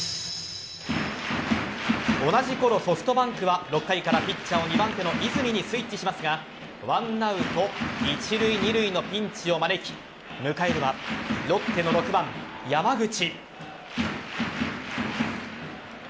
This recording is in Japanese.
同じころ、ソフトバンクは６回からピッチャーを２番手の泉にスイッチしますが１アウト一塁・二塁のピンチを招き迎えるはロッテの６番・山口。